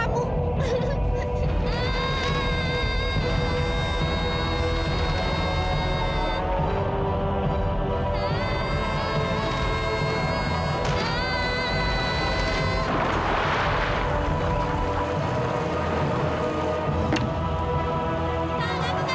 ia mungkin dia sebagai penyumbang